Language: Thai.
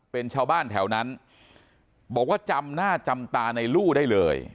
เป็นชาวบ้านแถวนั้นบอกว่าจำหน้าจำตาในลู่ได้เลย